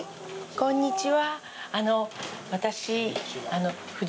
こんにちは。